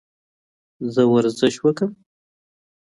زه ورزش وکم؟